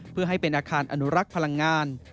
เพื่อให้เป็นอาคารอนุรักษ์พลังงาน